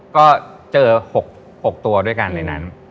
ก็เจอ๖ตัวด้วยกันในนั้น